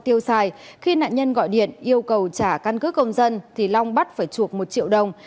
tiêu xài khi nạn nhân gọi điện yêu cầu trả căn cứ công dân thì long bắt phải chuộc một triệu đồng